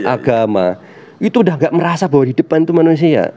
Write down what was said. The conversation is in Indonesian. agama itu udah gak merasa bahwa di depan itu manusia